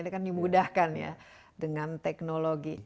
ini kan dimudahkan ya dengan teknologi